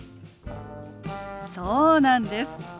そうなんです。